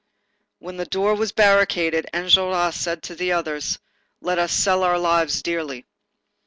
When the door was barricaded, Enjolras said to the others: "Let us sell our lives dearly."